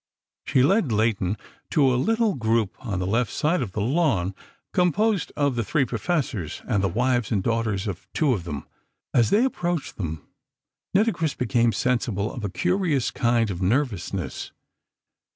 She led Leighton to a little group on the left side of the lawn, composed of the three Professors and the wives and daughters of two of them. As they approached them, Nitocris became sensible of a curious kind of nervousness.